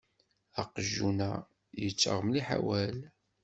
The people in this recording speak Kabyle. Aqjun-a yettaɣ mliḥ awal.